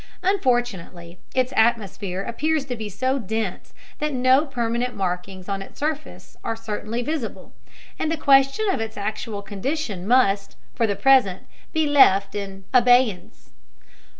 Unfortunately its atmosphere appears to be so dense that no permanent markings on its surface are certainly visible, and the question of its actual condition must, for the present, be left in abeyance.